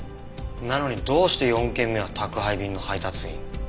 なのにどうして４件目は宅配便の配達員？